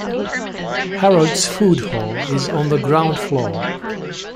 Harrods food hall is on the ground floor